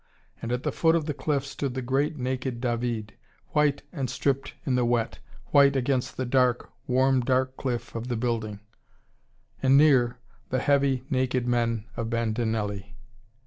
And at the foot of the cliff stood the great naked David, white and stripped in the wet, white against the dark, warm dark cliff of the building and near, the heavy naked men of Bandinelli.